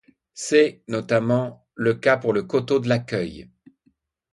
C’est, notamment, le cas pour le coteau de la Cueille.